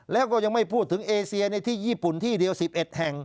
แล้วก็ยังไม่พูดถึงเอเซียในที่ญี่ปุ่นที่เดียว๑๑แห่ง